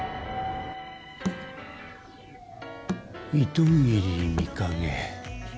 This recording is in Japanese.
糸切美影。